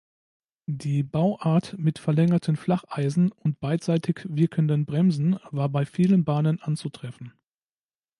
Die Bauart mit verlängerten Flacheisen und beidseitig wirkenden Bremsen war bei vielen Bahnen anzutreffen.